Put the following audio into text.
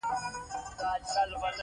_نو زه څه مرسته درسره کولای شم؟